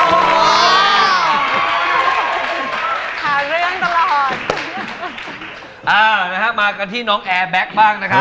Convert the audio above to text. หาเรื่องตลอดอ่านะฮะมากันที่น้องแอร์แก๊กบ้างนะครับ